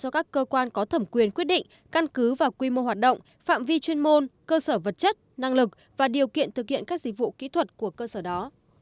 do các cơ quan có thẩm quyền quyết định căn cứ vào quy mô hoạt động phạm vi chuyên môn cơ sở vật chất năng lực và điều kiện thực hiện các dịch vụ kỹ thuật của cơ sở đó